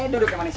duduk ya manis